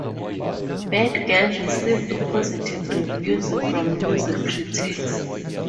"Bad Girl" received positive reviews from music critics.